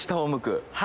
「はい」